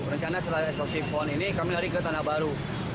rencana setelah eksklusif pohon ini kami lari ke tanda baru